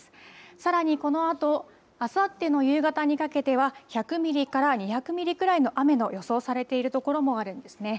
さらにこのあとあさっての夕方にかけては１００ミリから２００ミリぐらいの雨が予想されている所もあるんですね。